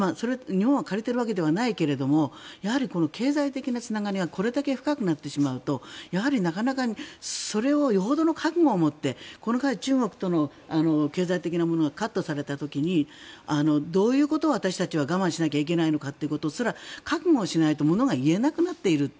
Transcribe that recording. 日本は借りているわけじゃないけど経済的なつながりがこれだけ深くなるとそれをよほどの覚悟を持って中国との経済的なものがカットされた時にどういうことを私たちは我慢しなきゃいけないかということすら覚悟しなきゃものが言えなくなっている。